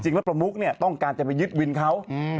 จริงแล้วประมุกเนี่ยต้องการจะไปยึดวินเขาอืม